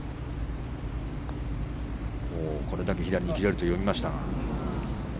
これだけ左に切れると読みましたが。